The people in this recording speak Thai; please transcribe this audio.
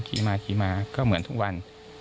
ขี่มาขี่มาก็เหมือนทุกวัน